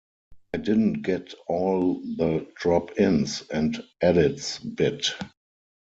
I didn't get all the 'drop-ins' and 'edits' bit.